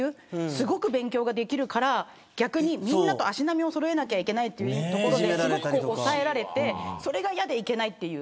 すごく勉強ができるからみんなと足並みをそろえなきゃいけないというところで抑えられてそれが嫌で行けないという。